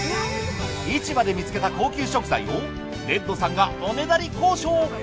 市場で見つけた高級食材をレッドさんがおねだり交渉。